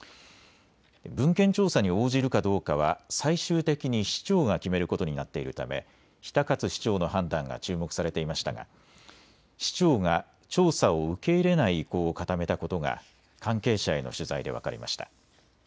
文献調査に応じるかどうかは最終的に市長が決めることになっているため比田勝市長の判断が注目されていましたが市長が調査を受け入れない意向を固めたことが関係者への取材で分かりました。